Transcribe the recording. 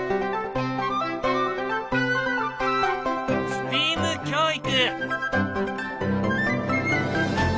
ＳＴＥＡＭ教育。